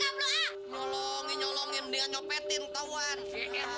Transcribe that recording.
hai rumah bukannya atau ngipu